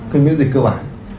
cái miễn dịch cơ bản